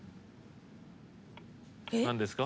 何ですか？